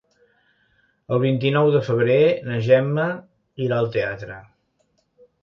El vint-i-nou de febrer na Gemma irà al teatre.